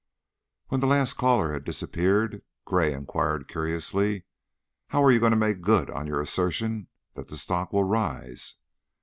When the last caller had disappeared, Gray inquired, curiously: "How are you going to make good on your assertion that the stock will rise?"